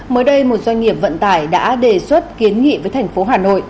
mới đây một doanh nghiệp vận tải đã đề xuất kiến nghị với thành phố hà nội